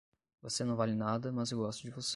Você não vale nada, mas eu gosto de você